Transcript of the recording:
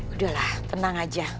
udah lah tenang aja